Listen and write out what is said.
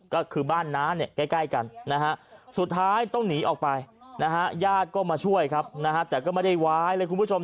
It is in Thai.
ก็คือบ้านน้าใกล้กันสุดท้ายต้องหนีออกไปญาติก็มาช่วยครับแต่ก็ไม่ได้ไหวเลยคุณผู้ชม